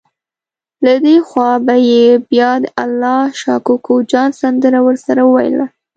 له دې خوا به یې بیا د الله شا کوکو جان سندره ورسره وویله.